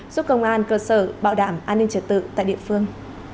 giúp công an cơ sở bảo đảm an ninh trật tự tại địa phương